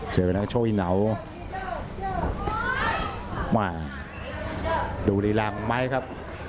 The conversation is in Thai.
เจอกับนักโชว์อินาวดูรีลักษณ์ของไมค์ครับ